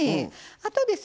あとですね